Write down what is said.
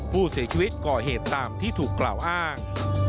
ผู้เสียชีวิตก่อเหตุตามที่ถูกกล่าวอ้าง